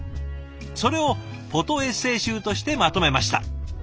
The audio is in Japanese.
それをフォトエッセー集としてまとめました。